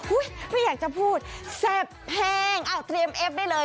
อุ้ยไม่อยากจะพูดแซ่บแพงอ่ะเตรียมเอ็บได้เลย